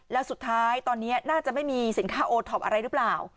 แล้วสุดท้ายตอนนี้น่าจะไม่มีสินค้าโอท็อปอะไรหรือเปล่า